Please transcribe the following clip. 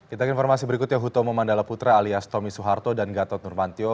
kita ke informasi berikutnya hutomo mandala putra alias tommy soeharto dan gatot nurmantio